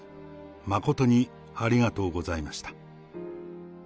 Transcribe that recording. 誠にありがとうございました。